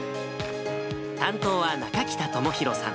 担当は中北朋宏さん。